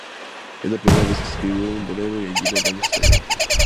Es la primera vez que escribo un bolero y allí lo vamos a estrenar".